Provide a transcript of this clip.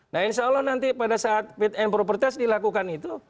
nah insya allah nanti pada saat fit and proper test dilakukan itu